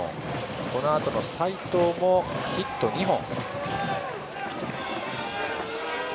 このあとの齊藤もヒット２本。